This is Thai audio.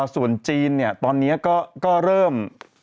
ส่วนจีนตอนนี้ก็เริ่ม